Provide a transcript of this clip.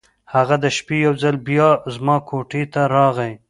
هغه د شپې یو ځل بیا زما کوټې ته راغی.